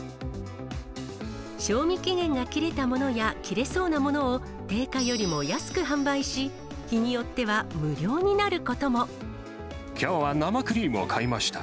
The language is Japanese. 賞味期限が切れたものや、切れそうなものを定価よりも安く販売し、日によっては無料になるきょうは生クリームを買いました。